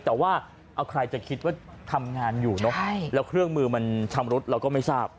แต่ว่าเอาใครจะคิดว่าทำงานอยู่เนอะแล้วเครื่องมือมันชำรุดเราก็ไม่ทราบ